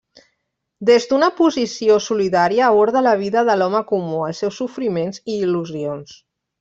Des d'una posició solidària aborda la vida de l'home comú, els seus sofriments i il·lusions.